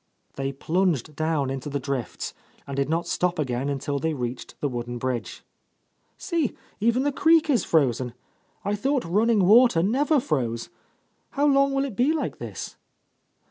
They plunged down into the drifts and did not stop again until they reached the wooden bridge, "See, even the creek is frozen! I thought running water never froze. How long will it be like this?"